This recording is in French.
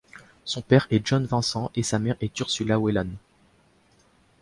Son père est John Vincent et sa mère est Ursula Whelan.